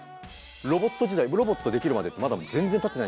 ロボット自体ロボットできるまでってまだ全然たってないんで。